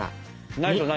何と何？